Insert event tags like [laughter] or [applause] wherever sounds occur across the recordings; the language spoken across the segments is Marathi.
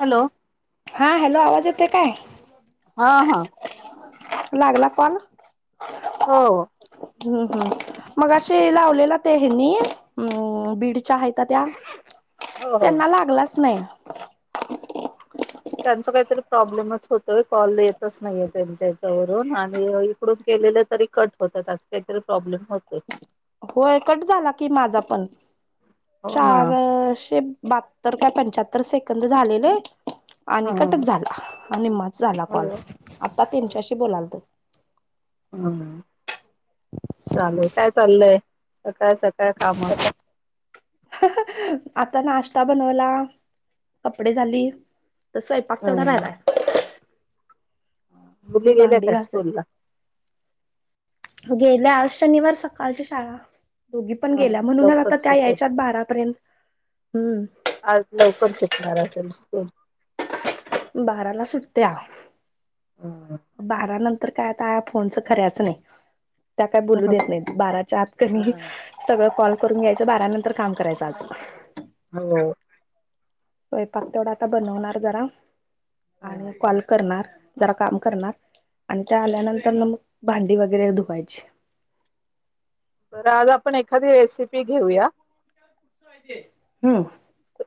हॅलो हा हॅलो आवाज येते काय हा हा लागला कोण हो हम्म हम्म मग असे लावलेला तेनी बीडच्या आहे त्या हो हो त्यांना लाग नाही. त्यांचा काहीतरी प्रॉब्लेमच होतोय कॉल येतच नाहीय त्यांच्या याच्यावरून आणि इकड केलं तरी कट होत अस काहीतरी प्रॉब्लेम होत. होय कट झाला की माझा पण हो ना चारशे बहात्तर का पंच्याहत्तर सेकंद झालेले. आणि ह कटक झाला आणि मच झाला हो कॉल त्यांच्याशी बोलालत हम म् चाललय काय चाललय सकाळ सकाळ काम ह ह आता नाश्ता बनवला कपडे झाली. स्वयपाक तेवढा राहिलाय. अअ मुली मी गेल्या भांडी का घासाय स्कूलला गेल्याई आज शनिवार सकाळची शाळा दोघी पण ह गेल्या म्हणून लवकर आता त्या सुटेल यायच्यात बारापर्यंत हम्म. आज लवकर सुटणार र असेल स्कूल बाराला सुट्या ह बारा नंतर तर काय आता फोनच खंरच नाही. त्या काय बोलू हो देत नाही बाराच्या आत त्यांनी सगळं कॉल करून घ्यायचं बारा नंतर काम करायचं आज हो अ स्वयंपाक तेवढा आता बनवणार जरा आणि हा कॉल करणार. जरा काम करणार आणि त्या आल्यानंतर ना मग भांडी वगैरे धुवायची. बरं आज आपण एखादी रेसिपी घेऊया. हम्म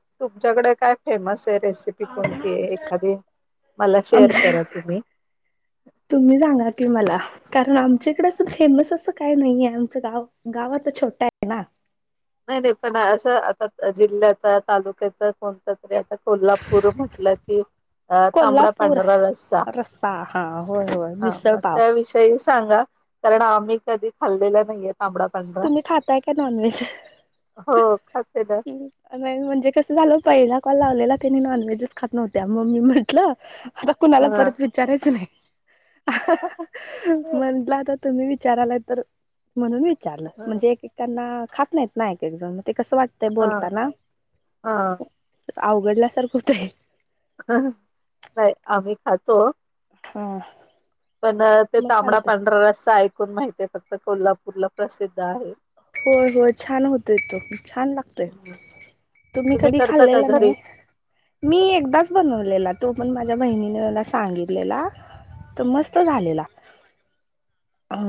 तुमच्यांकडे काय फेमस रेसिपी कोणती आहे एखादी मला शेअर आमच्या करा तुम्ही तुम्ही जरा म्हणा की मला तर मग आमच्याकडे असं फेमस असं काही नये आमचं गाव गाव आता छोटा आहे ना नाही नाही पण असं आता जिल्ह्याच तालुक्याच कोणतच तस आता कोल्हापूर म्हटलं की अ तांबडा कोल्हापूर पांढरा रस्सा हा होय होय हा मग मिसळपाव त्याविषयी सांगा कारण आम्ही कधी खाल्लेल नाहीये तांबडा पांढरा तुम्ही खाताय का नॉनव्हेज हो अ मेन म्हणजे कसं झाल पहिला ना कॉल नी नॉनव्हेजच खात नव्हत्या मग मी म्हटलं जर कुणाला हा परत विचारायचं नाही हा ह म्हंटलं तर तुम्ही विचारालाय तर म्हणून विचारलं म्हणजे एकमेकांना खात नाहीत ना ऐक ऐकजण ते हा बोलताना हा अवघडल्यासारखं हाय हम् नाही आम्ही खातो हम्म पण ते तांबडा पांढरा रस्सा ऐकून माहित आहे फक्त कोल्हापूरला प्रसिद्ध आहे हो हो छान होतय तो छान लागतोय तुम्ही कधी करता का खाल्लेला घरी नाही मी एकदाच बनवलेला तो पण माझ्या बहिणीने मला सांगितलेला तो मस्त झालेला अ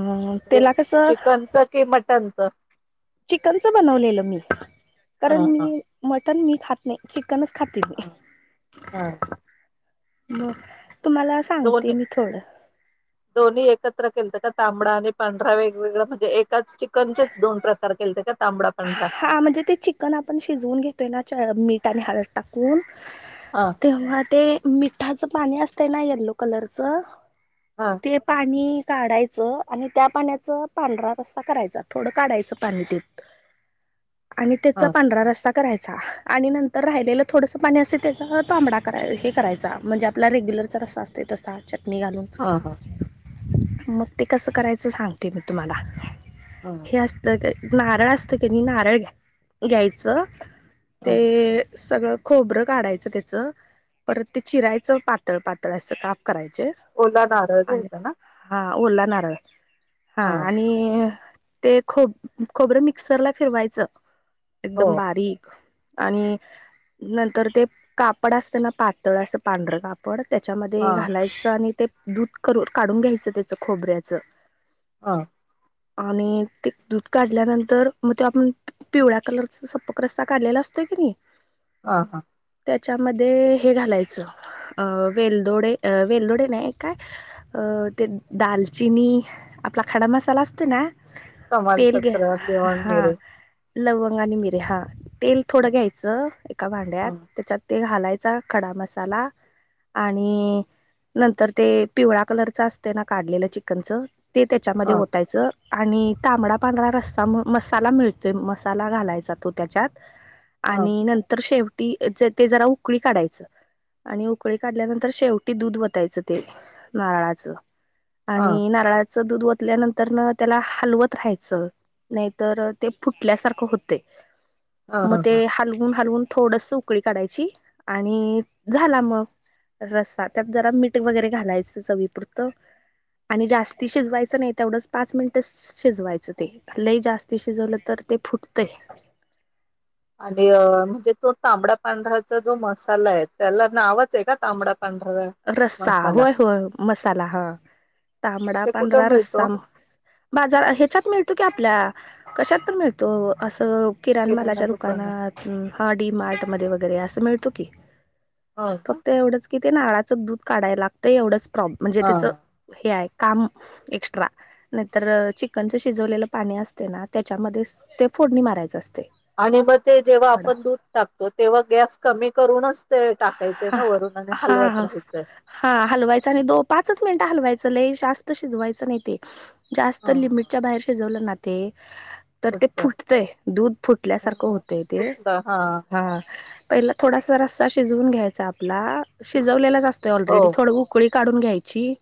म्हणजे त्याला अ कसं चिकनच कि मटनच चिकनच बनवलेलं मी हा कारण मी हा मी मटन मी खात नाही कोणच खात बे हा हा मी तुम्हाला सांगते दोन्ही मी थोडं दोन्ही एकत्र केलत का तांबडा आणि पांढरा वेगवेगळा म्हणजे एकाच चिकनचेच दोन प्रकार केलते का तांबडा पांढरा हा म्हणजे ते चिकन आपण शिजवून घेतोय ना पाण्यात मीठ आणि हळद टाकून हा तेव्हा ते मिठांच पाणी असत ना येल्लो कलरचं हा ते ऐ पाणी काढायचं आणि त्या पाण्याचा पांढरा रस्सा करायचा थोडं काढायचं पाणी नीट आणि हा त्याचा पांढरा रस्सा करायचा आणि नंतर राहिलेलं थोडस पाणी असेल त्याचा तांबडा हे करायचा म्हणजे आपला रेग्युलर वरचा जसा असतोय तसा चटणी घालून हा हा न मग ते कसं करायचं सांगते मी तुम्हाला हा हे असत का नारळ असतं कनी नारळ घ्यायचं हा ते सगळं खोबरं काढायचं त्याचं परत ते चिरायचं पातळ पातळ असं काप कराय ओला नारळ घ्यायचा ना हा ओला नारळ हा आणि ते खोबरं मिक्सरला फिरवायचं हो एकदम बारीक आणि नंतर ते कापड असत ना पातळ असं पांढरं कापड त्याच्यामध्ये हा घालायचं आणि ते दूध कर काढून घ्यायचं त्याचं खोबऱ्याचं हा आणि ते दूध काढल्यानंतर मग त आपण पिवळ्या कलरचा सपक रस्ता काढलेला असतो की नाही ह हा त्याच्यामध्ये हे घालायचं अ वेलदोडे अ वेलदोडे नाही काय अ ते दालचिनी आपला खडा मसाला असतो ना तेल घ्या तमालपत्र हा मिरे लववंग आणि मिरे हा तेल ह थोडं घ्यायचं एका भांड्यात ह त्याच्यात तेल घालायचा खडा मसाला आणि नंतर ते पिवळा कलरच असते ना काढलेलं चिकनचं ते त्याच्यामध्ये ह ओतायचं आणि तांबडा पांढरा रस्ता म्ह मसाला मिळतोय मसाला घालायचा तो त्याच्यात ह आणि नंतर शेवट ते जरा उकळी काढायचं आणि उकळी काढल्यानंतर शेवटी दूध वतायचं ते नारळाचं ह आणि नारळाचं दूध ओतल्यानंतर न त्याला हलवत राहायचं नाही तर ते फुटल्यासारखं होतेय मग ह ते ह हलवून हलवून थोडस उकळी काढायची आणि झाला मग रसा त्यात जरा मीठ वगैरे घालायचं चवीपुरतं आणि जास्ती शिजवायचं नाही तेवढंच पाच मिनिटच शिजवायचं ते लय जास्त शिजवलं तर ते फुटतय आणि म्हणजे तो तांबडा पांढऱ्याचा जो मसाला आहे त्याला नावच आहे का तांबडा पांढरा रस्सा मसाला होय होय मसाला हा तांबडा ते कुठं पांढरा मिळतो रस्सा बाजार ह्याच्यात मिळतो की आप आपल्या कशात पण मिळतो असं किराणमालाच्या दुकानात हा डी मार्ट मध्ये वगैरे अस मिळतो की हो का फक्त एवढंच की ते नाळाचं दूध काढायला लागतं एवढंच प्रॉब् म्हणजे त्याच हा. हे आहे काम एक्स्ट्रा नाहीतर चिकनचं शिजवलेलं पाणी असते ना त्याच्यामध्ये ते फोडणी मारायंच असते आणि मग ते जेव्हा खडा आपण दूध टाकतो तेव्हा गॅस कमी करूनच ते टाकायचंय ह ना वरून आणि हा हलवत राहायचंय. हा हलवायच आणि दो पाचच मिनटं हलवायच च जास्त शिजवायच नाही ते जास्त हा. लिमिटच्या बाहेर शिजवलं ना ते तर ते फक्त फुटतंय दूध फुटल्यासारखं होतंय ते हा पहिला थोडासा रस्सा शिजवून घ्यायचा आपला शिजवलेला असतोय हो. ऑलरेडी थोडं उकळी काढून घ्यायची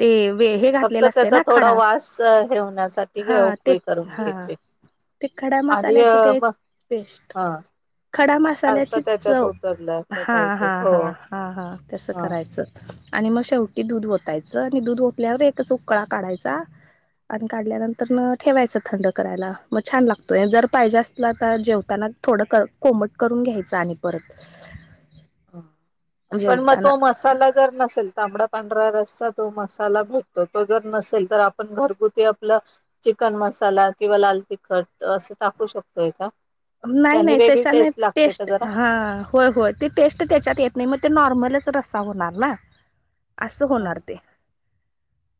ते हे फक्त घातलेलं असते त्याचा ना थोडा खडा वास हे होण्यासाठी हा ते उकळी करून हा घ्यायची. ते खडा आणि मसाल्याचं ते एक मग पेस्ट हा. खडा अर्क मसाल्याची त्याच्यात चव उतरला असं हा पाहिजे हां हो. हा हा हा तसं हा करायचं आणि मग शेवटी दूध ओतायचं आणि दूध ओतल्यावर एक उकळा काढायचा आणि काढल्यानंतर न ठेवायचं थंड करायला मग छान लागतोय जर पाहिजे असला तर जेवताना थोड कोमट करून घ्यायच आणि परत पण मग जेवताना तो मसाला जर नसेल तांबडा पांढरा रस्ता तो मसाला भेटतो तो जर नसेल तर आपण घरगुती आपलं चिकन म मसाला किंवा लाल तिखट असं टाकू शकतोय का. नाही त्यानी नाही वेगळी तचा नाही लागते का टेस्ट जरा हा होय होय ते. टेस्ट त्याच्यात येत नाही मग ते नॉर्मलच रस्सा होणार ना. असं हा होणार ते.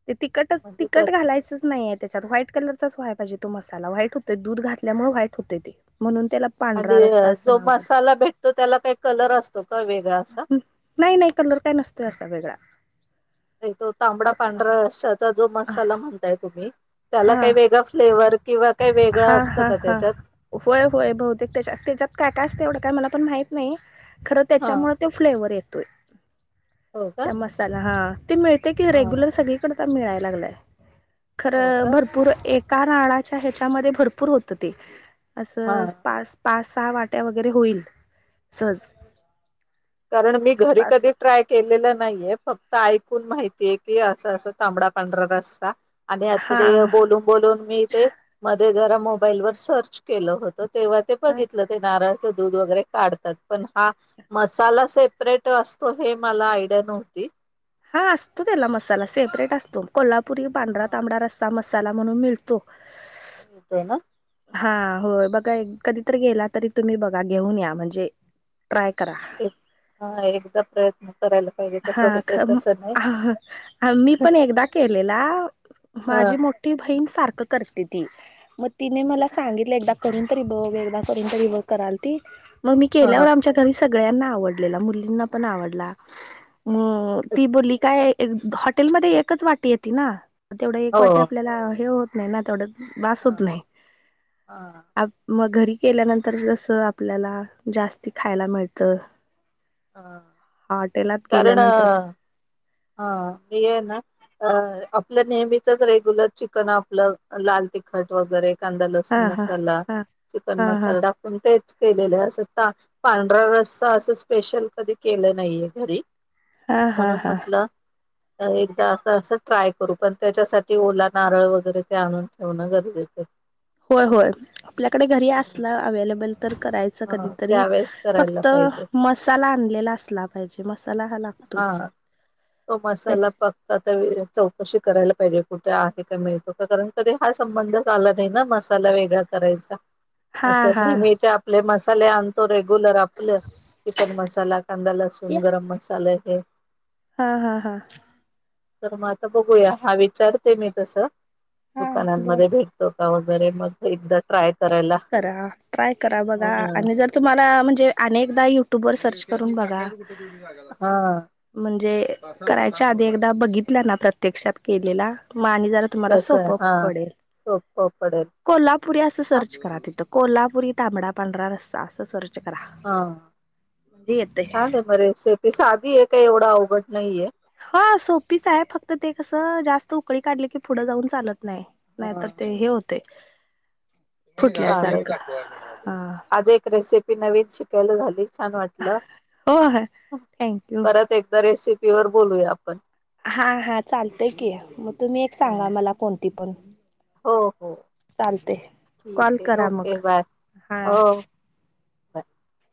ते तिकटच म्हणजे तिकट त्याच घालायचंच नाही आहे त्याच्यात व्हाईट कलरचाच व्हायला पाहिजे तो मसाला व्हाईट होत दूध घातल्यामुळे व्हाईट होते ते म्हणून, त्याला पांढरा आणि रस्सा असं जो नाव दिलं मसाला भेटतो त्याला काही कलर असतो का वेगळा असा. नाही नाही कलर काय नसत असा वेगळा. तो तांबडा हा पांढरा अशाचा जो मसाला म्हणताय तुम्ही. त्याला काही वेगळां फ्लेवर किंवा काही वेगळं हा असतं हा का हा त्याच्यात. होय होय बहुतेक तेजात काय काय असते तेवढं काय मला पण माहीत नाही खरं हा त्याच्यामुळे ते फ्लेवर येतोय. हो का? त्या मसाला हा ते मिळतय की हा रेग्युलर सगळीकड मिळायला लागलाय. तर हो का? भरपूर एका नाराळाच्या ह्याच्यामध्ये भरपूर होत ते. असं हा पाच पाच सहा वाट्या वगैरे होईल सहज. कारण मी घरी पाच कधी ट्राय केलेलं नाहीये फक्त ऐकून माहितीय की असं असं तांबडा पांढरा रस्ता, आणि आता हा ते बोलून बोलून मी ते मध्ये जरा मोबाईल वर सर्च केलं होतं तेव्हा ते हा बघितलं ते नारळाचं दूध वगैरे काढतात पण हा मसा ला सेपरेट असतो हे मला आयडिया नव्हती. हा असतो त्याला मसाला सेपरेट असतो, कोल्हापुरी हा पांढरा तांबडा रस्सा मसा ला म्हणून मिळतो. येतो ना. हा, होय बघा कधीतरी गेला तरी तुम्ही बघा घेऊन या म्हणजे ट्राय करा एक हा एकदा प्रयत्न करायला पाहिजे हा कसं होतंय खर म, कसं नाही मी पण एकदा केलेला हा माझी मोठी बहीण सार ख करते ती. मग तिने मला सांगितलं एकदा करून तरी बघ, एकदा करून तरी बघ कराल ती. मग मी हा केल्यावर आमच्या घरी सगळ्यांना आवडलेला मुलींना पण आवडला म ती बोलली काय हॉटेलमध्ये एकच वाटी येते ना तेवढं एक हो वाटी आपल्याला हे होत नाही ना तेवढं बास हा होत नाही. हा मग घरी केल्यानंतर जस आपल्याला जास्त खायला मिळत. हा हाटेलात. कारण हा आहे ना अह आपलं नेहमीचच रेग्युलर चिकन आपलं लाल तिखट वगैरे. कांदा लसूण हा हा मसाला, हा चिकन हा हा मसाला टाकून तेच केलेलं असं पांढरा रसच असं स्पेशल कधी केलं नाहीेया घरी हा हा म्हणून हा. म्हटलं एकदा असं असं ट्राय करू पण त्याच्यासाठी ओला नारळ वगैरे ते आणून ठेवणं गरज ठीक आहे. होय होय, आपल्याकडे घरी हम्म. असलं अवेलेबल तर करायचं असं हा कधीतरी त्यावेेळेस करायला फक्त पाहिजे मसाला आणलेला असला पाहिजे मसाला हा लागतोच. हा तो मसाला फक्त आता चौकशी करायला पाहिजे कुठे आहे का मिळतो का कारण कधी हा संबंधच आला नाही ना मसाला वेगळा करायचा. हा असं हा नेहमीचे आपले मसाले आणतो रे गुलर आपलं चिकन मसाला, कांदा लसूण गरम मसाला हे हा हा हा. तर मग आता बघूया हा विचारते मी तस हा बर दुकानांमध्ये भेटतो का वगैरे मग एकदा ट्राय करायला करा ट्राय करा बघा ह आणि जर तुम्हाला म्हणजे अनेकदा यु युटूब वर सर्च करून बघा, हा म्हणजे ते करायच्या आधी एकदा बघितल्या ना प्रत्यक्षात केलेला म आणि जरा तुम्हाला कसं आहे सोप हा पडेल. सोपं पडेल कोल्हापुरी असं छान सर्च तिथ कोल्हापुरी तांबडा पांढरा रस्सा अस सर्च करा हा म्हणजे येते छान आहे म रेसिपी साधी आहे काही एवढा आवघट नाहीये हा सोपीच आहे फक्त ते कसं जास्त उकळी काढली की पुढं जाऊन चालत नाही. नाही तर हा ते हे होतंय चालेल फुटल्यासारखं हा. आज एक रेसिपी नवीन शिकायला झालय छान वाटल. हो ह थँक्यू परत एकदा रेसिपी प्युअर बोलूया आप हा हा चालतय की मग तुम्ही एक सांगा हा. मला कोणती पण हो हो चालते. कॉल ठीक आहे करा मग. ओके बाय हा. हो. [inaudible]